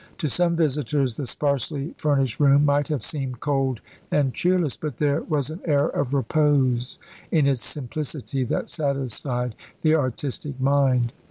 To some visitors the sparsely furnished room might have seemed cold and cheerless; but there was an air of repose in its simplicity that satisfied the artistic mind.